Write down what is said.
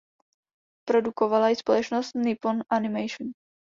Produkovala ji společnost Nippon Animation.